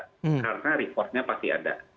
karena reforstnya pasti ada